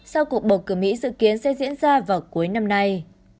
sau cuộc bầu cử mỹ dự kiến sẽ diễn ra vào cuối năm nay